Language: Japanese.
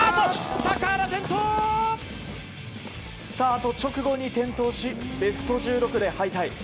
スタート直後に転倒しベスト１６で敗退。